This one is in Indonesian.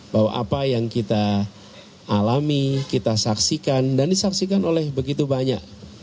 bahwa apa yang kita alami kita saksikan dan disaksikan oleh begitu banyak